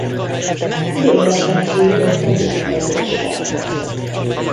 Béla sem sújtotta büntetéssel.